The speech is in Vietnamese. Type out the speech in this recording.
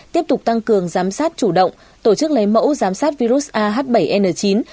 tiếp tục tăng cường giám sát chủ động tổ chức lấy mẫu giám sát virus ah bảy n chín